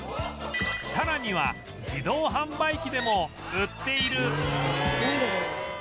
さらには自動販売機でも売っている